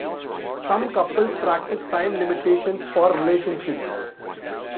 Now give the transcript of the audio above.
Some couples practice time limitations for relationships.